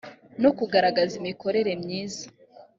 no kugaragaza imikorere myiza